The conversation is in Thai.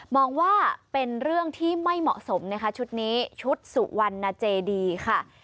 มองว่าเป็นเรื่องที่ไม่เหมาะสมนะคะชุดนี้ชุดสุวรรณเจดีค่ะ